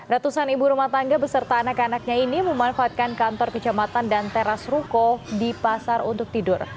ratusan ibu rumah tangga beserta anak anaknya ini memanfaatkan kantor kecamatan dan teras ruko di pasar untuk tidur